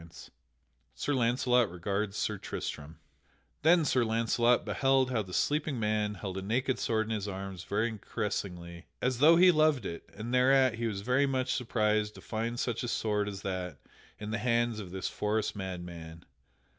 [Sidenote: Sir Launcelot regards Sir Tristam] Then Sir Launcelot beheld how the sleeping man held a naked sword in his arms very caressingly, as though he loved it, and thereat he was very much surprised to find such a sword as that in the hands of this forest madman.